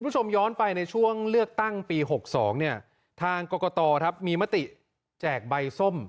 คุณผู้ชมย้อนไปในช่วงเลือกตั้งปี๖๒เนี่ยทางกรกตครับมีมติแจกใบส้ม